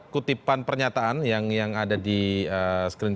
kutipan pernyataan yang ada di screen ini